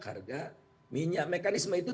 harga minyak mekanisme itu